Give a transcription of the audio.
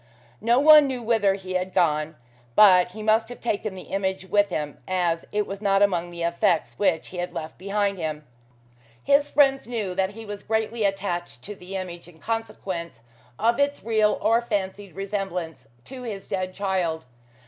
No one knew whither he had gone, but he must have taken the image with him, as it was not among the effects which he had left behind him. His friends knew that he was greatly attached to the image, in consequence of its real or fancied resemblance to his dead child.